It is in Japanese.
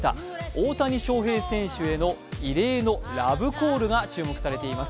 大谷翔平選手への異例のラブコールが注目されています。